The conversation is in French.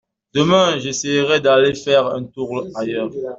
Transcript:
Demain, j’essaierai d’aller faire un tour ailleurs.